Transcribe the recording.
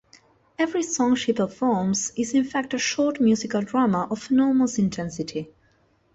Every song she performs is in fact a short musical drama of enormous intensity.